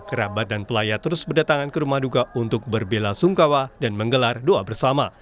kerabat dan pelayat terus berdatangan ke rumah duka untuk berbela sungkawa dan menggelar doa bersama